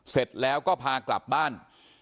เสร็จแล้วก็พากลับบ้าน